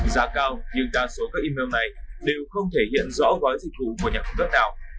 giá cao nhưng đa số các email này đều không thể hiện rõ gói dịch vụ của nhà cung cấp nào